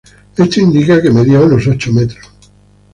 Esto indica que medía unos ocho metros.